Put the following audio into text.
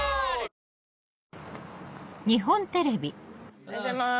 おはようございます。